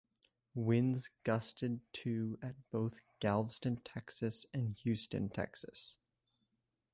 Winds gusted to at both Galveston, Texas and Houston, Texas.